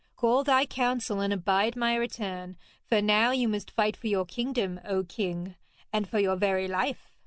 Call thy council, and abide my return, for now you must fight for your kingdom, O king, and for your very life.'